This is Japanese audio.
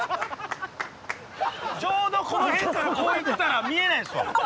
ちょうどこの辺からこう行ったら見えないですわ。